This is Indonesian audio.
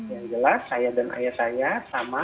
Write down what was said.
yang jelas saya dan ayah saya sama